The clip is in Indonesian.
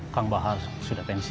kang bahar sudah pensi